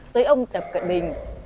tới ông tập cận bình